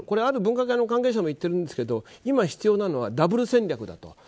ある分科会の関係者も言ってるんですけど今必要なのはダブル戦略だと。